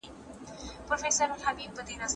که تاریخ وساتو نو عظمت نه مري.